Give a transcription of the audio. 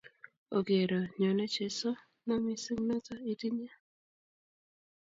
Ogerro nyone Jesu, nam mising’ noto itinye